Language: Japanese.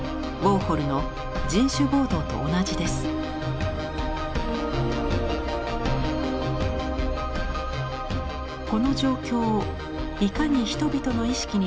この状況をいかに人々の意識にとどめておけるか？